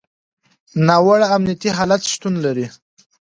ناوړه امنیتي حالت شتون لري.